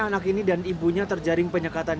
anak ini dan ibunya terjaring penyekatan